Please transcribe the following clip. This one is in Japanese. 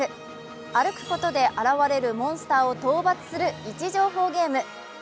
歩くことで現れるモンスターを討伐する位置情報ゲーム。